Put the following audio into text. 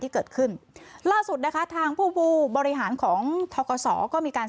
ที่เกิดขึ้นล่าสุดนะคะทางผู้ผู้บริหารของทกศก็มีการ